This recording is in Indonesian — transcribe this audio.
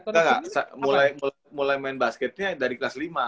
enggak enggak mulai main basketnya dari kelas lima